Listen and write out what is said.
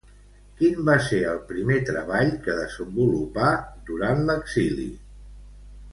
Quin va ser el primer treball que desenvolupà durant l'exili?